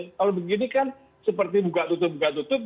kalau begini kan seperti buka tutup buka tutup